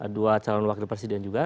dua calon wakil presiden juga